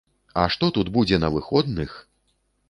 А што тут будзе на выходных!